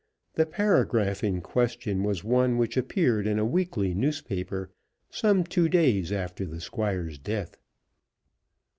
The paragraph in question was one which appeared in a weekly newspaper some two days after the Squire's death.